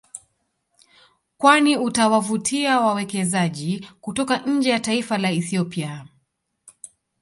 Kwani utawavutia wawekezaji kutoka nje ya taifa la Ethiopia